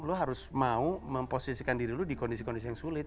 lu harus mau memposisikan diri lu di kondisi kondisi yang sulit